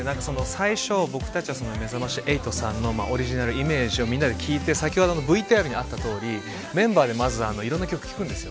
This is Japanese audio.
最初、僕たちはめざまし８さんのオリジナルイメージをみんなで聞いてＶＴＲにあったようにメンバーでいろいろな曲をまず聞くんです。